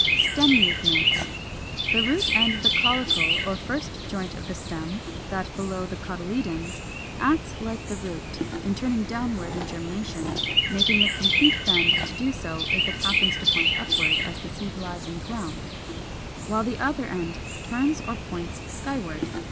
465. =Stem movements.= The root end of the caulicle or first joint of stem (that below the cotyledons) acts like the root, in turning downward in germination (making a complete bend to do so if it happens to point upward as the seed lies in the ground), while the other end turns or points skyward.